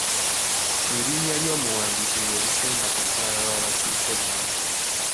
Erinnya ly'omuwandiisi lye lisemba ku lukalala lw'abakiise bonna.